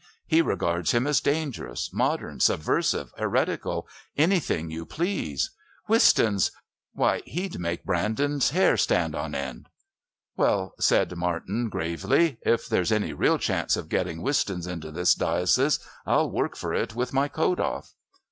He regards him as dangerous, modern, subversive, heretical, anything you please. Wistons! Why, he'd make Brandon's hair stand on end!" "Well," said Martin gravely, "if there's any real chance of getting Wistons into this diocese I'll work for it with my coat off."